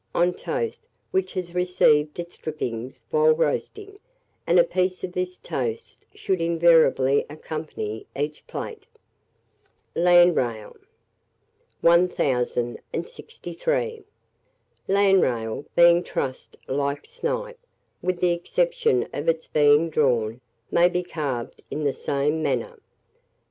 on toast which has received its drippings whilst roasting; and a piece of this toast should invariably accompany each plate. LANDRAIL. 1063. LANDRAIL, being trussed like Snipe, with the exception of its being drawn, may be carved in the same manner.